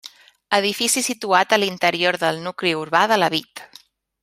Edifici situat a l'interior del nucli urbà de Lavit.